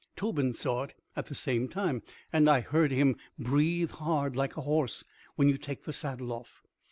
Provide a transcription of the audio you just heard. Tobin saw it at the same time, and I heard him breathe hard like a horse when you take the saddle off.